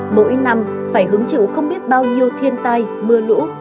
mỗi năm phải hứng chịu không biết bao nhiêu thiên tai mưa lũ